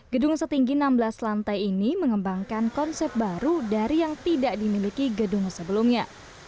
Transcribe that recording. gedung setinggi enam belas lantai ini mengembangkan konsep baru dari yang tidak dimiliki gedung sebelumnya